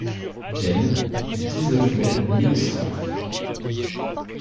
Vienne, dix-neuf mai mille huit cent neuf.